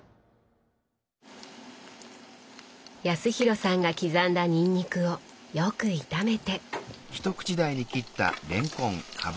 康廣さんが刻んだにんにくをよく炒めて。